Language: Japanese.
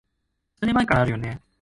数年前からあるよね